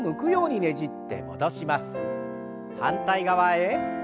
反対側へ。